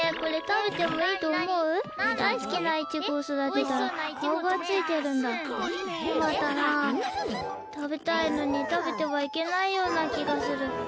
食べたいのに食べてはいけないような気がする。